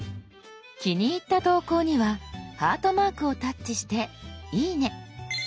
気に入った投稿にはハートマークをタッチして「いいね」。